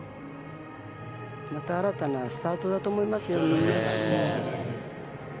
また新たなスタートだと思いますよ。